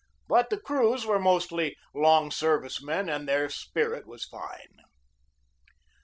But the crews were mostly long service men and their spirit was fine.